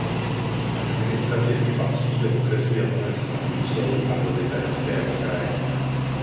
Administrativně patří do okresu Jablonec nad Nisou a do Libereckého kraje.